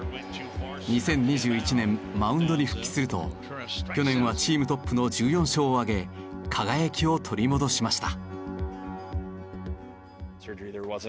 ２０２１年マウンドに復帰すると去年はチームトップの１４勝を挙げ輝きを取り戻しました。